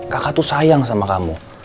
kakak tuh sayang sama kamu